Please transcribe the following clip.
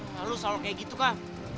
nah lu selalu kayak gitu kak